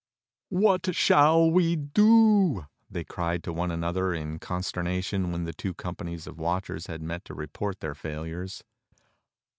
"What shall we do.?" they cried to one another in consterna tion when the two companies of watchers had met to report their failures.